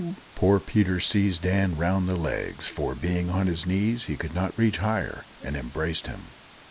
Poor Peter seized Dan round the legs, for, being on his knees, he could not reach higher, and embraced him.